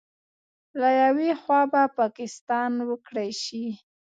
له یوې خوا به پاکستان وکړې شي